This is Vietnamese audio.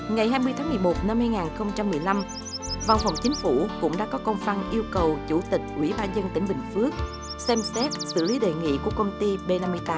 ngày hai mươi tháng một mươi một năm hai nghìn một mươi năm văn phòng chính phủ cũng đã có công văn yêu cầu chủ tịch quỹ ba nhân tỉnh bình phước xem xét xử lý đề nghị của công ty b năm mươi tám